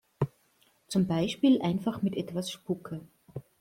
Zum Beispiel einfach mit etwas Spucke.